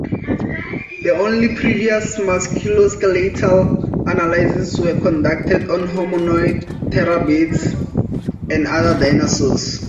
The only previous musculoskeletal analysises were conducted on homonoids, terror birds, and other dinosaurs.